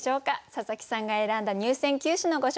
佐佐木さんが選んだ入選九首のご紹介です。